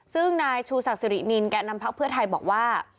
ซึ่งนายชูศักดิรินินแก่นำพักเพื่อไทยบอกว่า